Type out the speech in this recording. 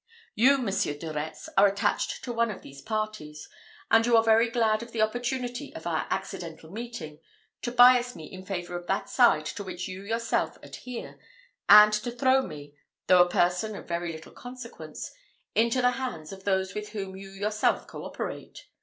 You, Monsieur de Retz, are attached to one of these parties; and you are very glad of the opportunity of our accidental meeting, to bias me in favour of that side to which you yourself adhere, and to throw me though a person of very little consequence into the hands of those with whom you yourself co operate.